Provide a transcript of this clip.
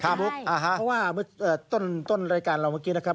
เพราะว่าเมื่อต้นรายการเราเมื่อกี้นะครับ